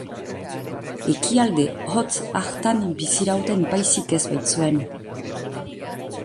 Ekialde hotz hartan bizirauten baizik ez baitzuen...